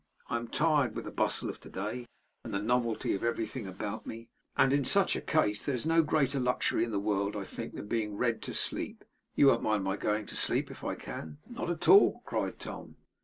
I am tired with the bustle of to day, and the novelty of everything about me; and in such a case, there's no greater luxury in the world, I think, than being read to sleep. You won't mind my going to sleep, if I can?' 'Not at all!' cried Tom.